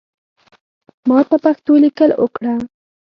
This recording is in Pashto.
ماته پښتو لیکل اوکړه